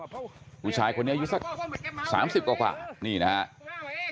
ผู้ชายคนนี้อายุสัก๓๐กว่านี่นะครับ